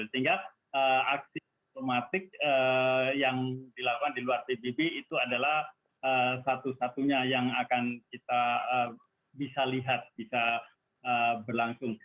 sehingga aksi otomatis yang dilakukan di luar pbb itu adalah satu satunya yang akan kita bisa lihat bisa berlangsung